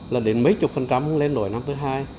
là đến mấy chục phần trăm không lên nổi năm thứ hai